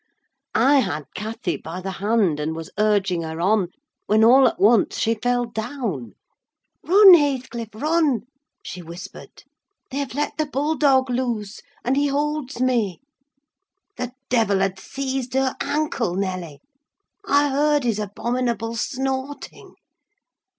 I had Cathy by the hand, and was urging her on, when all at once she fell down. 'Run, Heathcliff, run!' she whispered. 'They have let the bull dog loose, and he holds me!' The devil had seized her ankle, Nelly: I heard his abominable snorting.